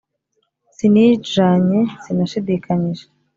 sinijanye: sinashidikanyije